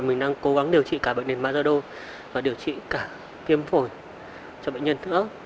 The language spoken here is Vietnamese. mình đang cố gắng điều trị cả bệnh nền basodo và điều trị cả viêm phổi cho bệnh nhân nữa